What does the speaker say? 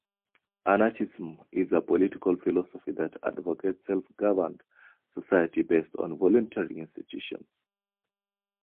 Anarchism is a political philosophy that advocates self-governed societies based on voluntary institutions.